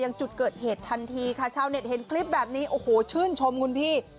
ยังจุดเกิดเหตุทันทีค่ะชาวเน็ตเห็นคลิปแบบนี้โอ้โหชื่นชมคุณพี่